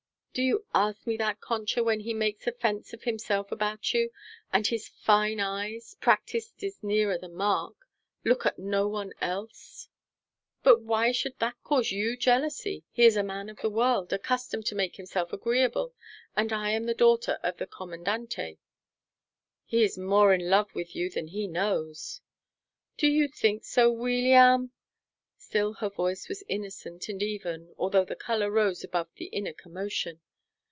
"Do you ask me that, Concha, when he makes a fence of himself about you, and his fine eyes practised is nearer the mark look at no one else?" "But why should that cause you jealousy? He is a man of the world, accustomed to make himself agreeable, and I am the daughter of the Commandante." "He is more in love with you than he knows." "Do you think so, Weeliam?" Still her voice was innocent and even, although the color rose above the inner commotion.